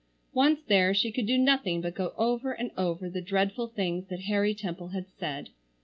Once there she could do nothing but go over and over the dreadful things that Harry Temple had said.